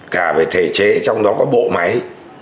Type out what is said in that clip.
cả về thể chế trong đó có bộ máy